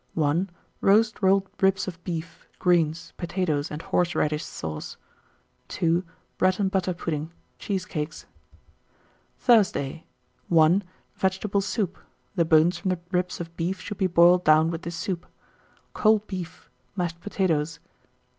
_ 1. Roast rolled ribs of beef, greens, potatoes, and horseradish sauce. 2. Bread and butter pudding, cheesecakes. 1899. Thursday. 1. Vegetable soup (the bones from the ribs of beef should be boiled down with this soup), cold beef, mashed potatoes.